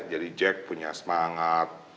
jadi jack punya semangat